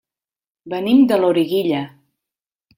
Venim de Loriguilla.